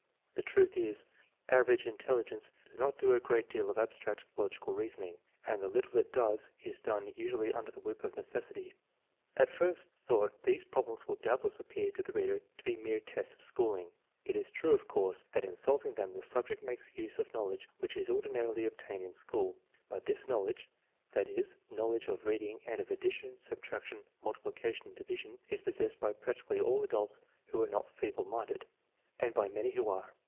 The truth is, average intelligence does not do a great deal of abstract, logical reasoning, and the little it does is done usually under the whip of necessity. At first thought these problems will doubtless appear to the reader to be mere tests of schooling. It is true, of course, that in solving them the subject makes use of knowledge which is ordinarily obtained in school; but this knowledge (that is, knowledge of reading and of addition, subtraction, multiplication, and division) is possessed by practically all adults who are not feeble minded, and by many who are.